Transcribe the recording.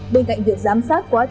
bên cạnh việc giám sát quá trình